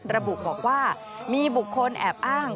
ระบุบอกว่ามีบุคคลแอบอ้าง